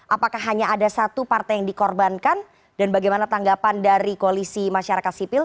apakah hanya ada satu partai yang dikorbankan dan bagaimana tanggapan dari koalisi masyarakat sipil